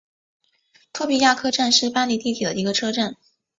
托比亚克站是巴黎地铁的一个车站。